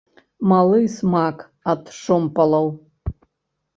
Малы смак ад шомпалаў.